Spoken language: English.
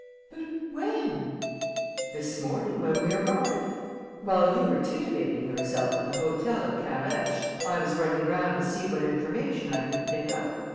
"But when?" "This morning, when we arrived. While you were titivating yourself at the hotel at Carhaix, I was running round to see what information I could pick up.